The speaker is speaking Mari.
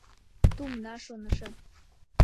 Тумна, шонышым.